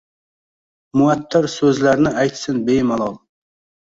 Muattar so‘zlarni aytsin bemalol.